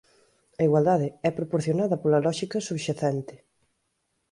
A igualdade é proporcionada pola lóxica subxacente.